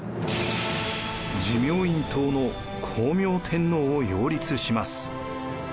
持明院統の光明天皇を擁立します。